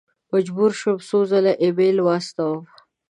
مجبور شوم څو ځل ایمیلونه واستوم.